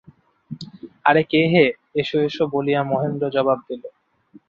আরে কে হে, এসো এসো বলিয়া মহেন্দ্র জবাব দিল।